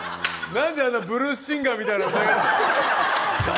何であんなブルースシンガーみたいな声。